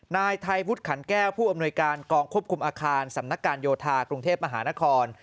นายไทยพุทธขันแก้วผู้อำนวยการกองควบคุมอาคารสำนักการโยธากรุงเทพมหานคร